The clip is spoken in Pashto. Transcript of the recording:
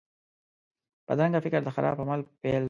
بدرنګه فکر د خراب عمل پیل وي